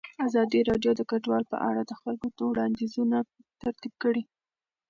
ازادي راډیو د کډوال په اړه د خلکو وړاندیزونه ترتیب کړي.